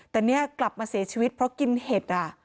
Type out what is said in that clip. แต่เนี่ยกลับมาเสียชีวิตเพราะกินเห็ดอ่ะ